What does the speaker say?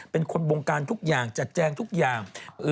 เป็นคนบงการทุกอย่างจัดแจงทุกอย่าง